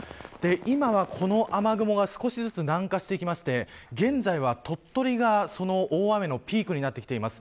今はこの雨雲が少しずつ南下してきまして現在は鳥取がその大雨のピークになってきています。